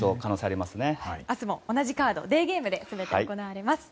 明日も同じカードがデーゲームで全て行われます。